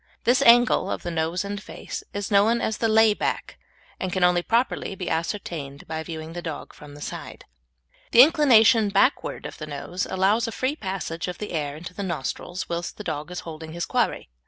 This angle of the nose and face is known as the lay back, and can only properly be ascertained by viewing the dog from the side. The inclination backward of the nose allows a free passage of the air into the nostrils whilst the dog is holding his quarry.